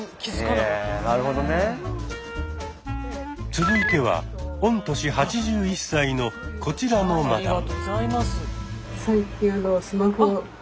続いては御年８１歳のこちらのマダム。